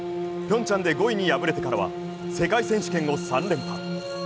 ピョンチャンで５位に敗れてからは世界選手権を３連覇。